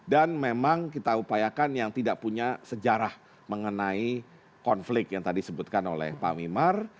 dan memang kita upayakan yang tidak punya sejarah mengenai konflik yang tadi disebutkan oleh pak wimar